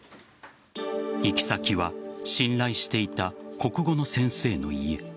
行き先は信頼していた国語の先生の家。